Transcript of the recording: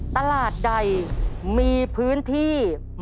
ตลาดใดมีพื้นที่